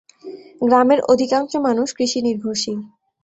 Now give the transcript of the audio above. গ্রামের অধিকাংশ মানুষ কৃষি নির্ভরশীল।